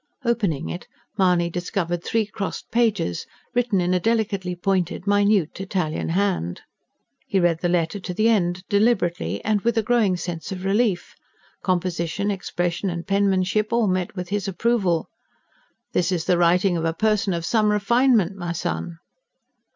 Opening it Mahony discovered three crossed pages, written in a delicately pointed, minute, Italian hand. He read the letter to the end, deliberately, and with a growing sense of relief: composition, expression and penmanship, all met with his approval. "This is the writing of a person of some refinement, my son."